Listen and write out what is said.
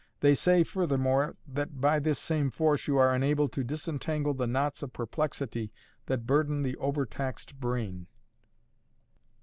"They say, furthermore, that by this same force you are enabled to disentangle the knots of perplexity that burden the overtaxed brain."